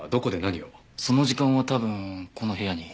その時間は多分この部屋に。